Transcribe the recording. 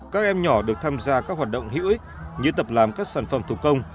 các em nhỏ được tham gia các hoạt động hữu ích như tập làm các sản phẩm thủ công